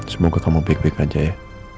semoga kamu baik baik aja ya